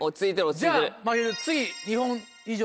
じゃあまひる次。